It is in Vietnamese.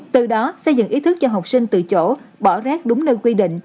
từ đó xây dựng ý thức cho học sinh từ chỗ bỏ rác đúng nơi quy định